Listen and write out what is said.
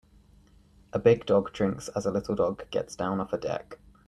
A big dog drinks as a little dog gets down off a deck.